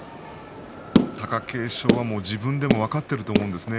貴景勝は自分でも分かってると思うんですね。